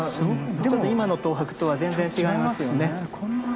今の東博とは全然違いますよね。